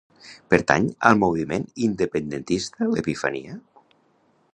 Pertany al moviment independentista l'Epifania?